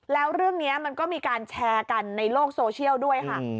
แล้วเรื่องนี้มันก็มีการแชร์กันในโลกโซเชียลด้วยค่ะ